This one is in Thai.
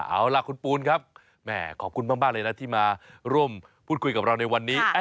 เอาล่ะคุณปูนครับแม่ขอบคุณมากเลยนะที่มาร่วมพูดคุยกับเราในวันนี้